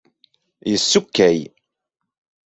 Yessukkay.